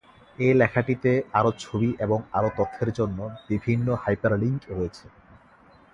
এই লেখাটিতে আরো ছবি এবং আরো তথ্যের জন্য বিভিন্ন হাইপারলিংক রয়েছে।